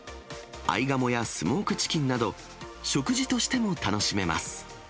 合鴨やスモークチキンなど、食事としても楽しめます。